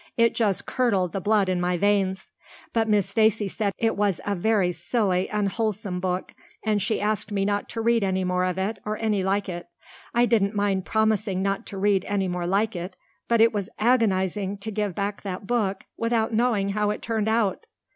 It just curdled the blood in my veins. But Miss Stacy said it was a very silly, unwholesome book, and she asked me not to read any more of it or any like it. I didn't mind promising not to read any more like it, but it was agonizing to give back that book without knowing how it turned out.